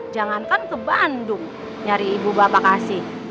jangankan ke bandung nyari ibu bapak kasih